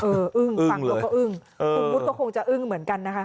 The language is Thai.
อึ้งฟังแล้วก็อึ้งคุณวุฒิก็คงจะอึ้งเหมือนกันนะคะ